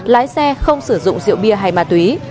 lái xe không sử dụng rượu bia hay ma túy